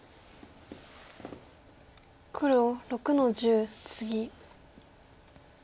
黒６の十ツギ。